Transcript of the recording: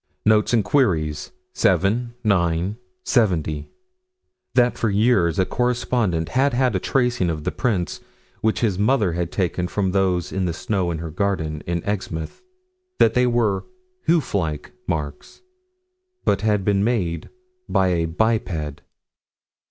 Notes and Queries, 7 9 70: That for years a correspondent had had a tracing of the prints, which his mother had taken from those in the snow in her garden, in Exmouth: that they were hoof like marks but had been made by a biped.